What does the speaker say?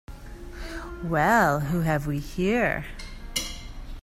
Well who have we here?